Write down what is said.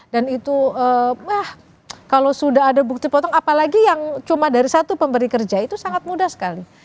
dan itu kalau sudah ada bukti potong apalagi yang cuma dari satu pemberi kerja itu sangat mudah sekali